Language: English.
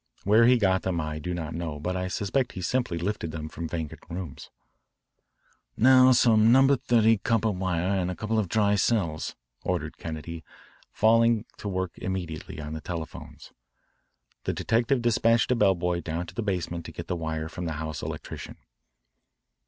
Where he got them I do not know, but I suspect he simply lifted them from vacant rooms. "Now some Number 30 copper wire and a couple of dry cells," ordered Kennedy, falling to work immediately on the telephones. The detective despatched a bellboy down to the basement to get the wire from the house electrician.